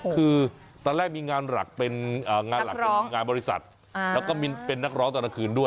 คือตอนแรกมีงานหลักเป็นอ่างานหลักเป็นงานบริษัทนักร้องแล้วก็มีเป็นนักร้องตลอดนาคืนด้วย